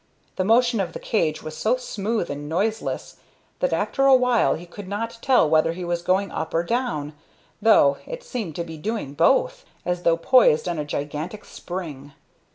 The motion of the cage was so smooth and noiseless that after a while he could not tell whether it were going up or down, though it seemed to be doing both, as though poised on a gigantic spring.